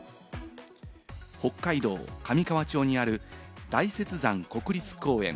北海道上川町にある大雪山国立公園。